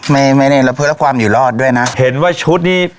ไม่ไม่เนี่ยเราเพื่อแล้วความอยู่รอดด้วยนะเห็นว่าชุดนี้